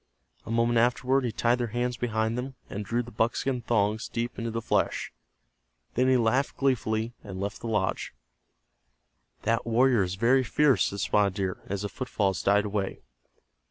A moment afterward he tied their hands behind them, and drew the buckskin thongs deep into the flesh. Then he laughed gleefully, and left the lodge. "That warrior is very fierce," said Spotted Deer, as the footfalls died away.